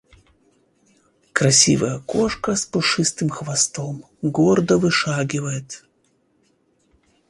Красивая кошка с пушистым хвостом гордо вышагивает.